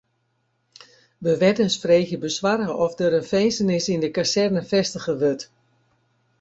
Bewenners freegje besoarge oft der in finzenis yn de kazerne fêstige wurdt.